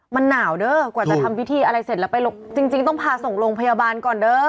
มันหนาวเด้อกว่าจะทำพิธีอะไรเสร็จแล้วไปลงจริงต้องพาส่งโรงพยาบาลก่อนเด้อ